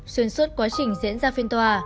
xuyên suốt quá trình diễn ra phiên tòa